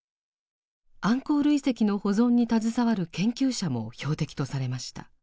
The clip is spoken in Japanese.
アンコール遺跡の保存に携わる研究者も標的とされました。